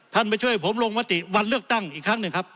มาช่วยผมลงมติวันเลือกตั้งอีกครั้งหนึ่งครับ